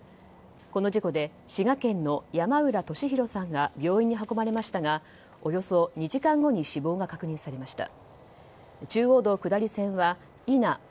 この事故で滋賀県の山浦俊尋さんが病院に運ばれましたがおよそ２時間後に死亡が確認されました。